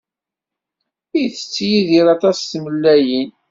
Itett Yidir aṭas timellalin.